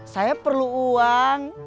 saya perlu uang